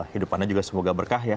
hidup anda juga semoga berkah ya